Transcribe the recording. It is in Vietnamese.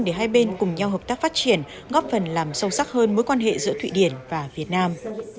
để hai bên cùng nhau hợp tác phát triển góp phần làm sâu sắc hơn mối quan hệ giữa thụy điển và việt nam